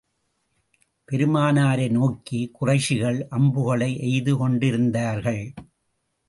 பெருமனாரை நோக்கி, குறைஷிகள் அம்புகளை எய்து கொண்டிருந்தார்கள்.